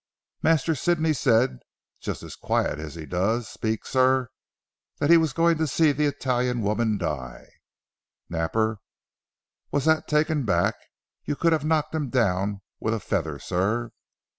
Master Sidney said, just as quiet as he does speak sir, that he was going to see the Italian woman die. Napper was that taken aback you could have knocked him down with a feather sir.